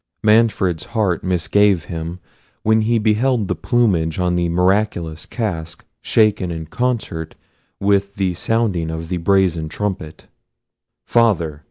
Manfred's heart misgave him when he beheld the plumage on the miraculous casque shaken in concert with the sounding of the brazen trumpet. "Father!"